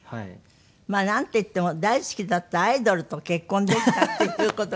まあなんといっても大好きだったアイドルと結婚できたっていう事が。